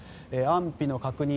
安否の確認